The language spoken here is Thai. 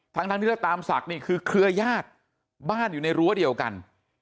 ทั้งที่ว่าตามศักดิ์นี่คือเครือญาติบ้านอยู่ในรั้วเดียวกัน